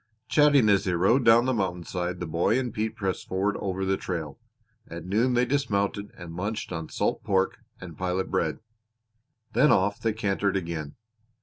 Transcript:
Chatting as they rode down the mountainside the boy and Pete pressed forward over the trail. At noon they dismounted and lunched on salt pork and pilot bread. Then off they cantered again.